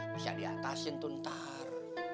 bisa diatasin tuh ntar